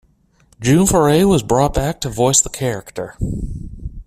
June Foray was brought back to voice the character.